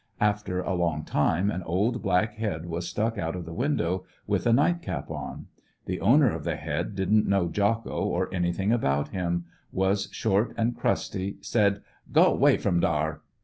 After a long time an old black head was stuck out of the window with a nightcap on. The owner of the head didn't know Jocko or anything about him; was short and crusty; said: " Go way from dar!